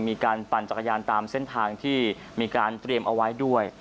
ปั่นจักรยานตามเส้นทางที่มีการเตรียมเอาไว้ด้วย